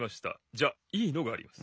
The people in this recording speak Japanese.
じゃいいのがあります。